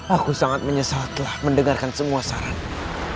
aku sangat menyesal telah mendengarkan semua saranmu